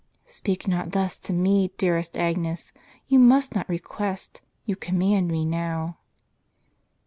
" Speak not thus to me, dearest Agnes ; you must not request; you command me now."